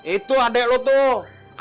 itu adek lo tuh